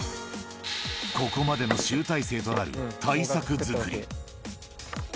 ここまでの集大成となる大作作り。